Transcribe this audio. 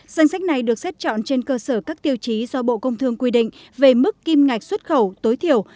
danh sách này được xét chọn trên cơ sở các tiêu chí do bộ công thương quy định về mức kim ngạch xuất khẩu tối thiểu